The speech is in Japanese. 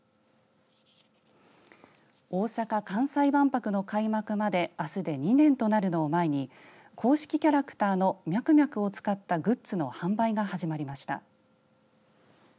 大阪・関西万博の開幕まであすで２年となるのを前に公式キャラクターのミャクミャクを使ったグッズの販売が始まりました。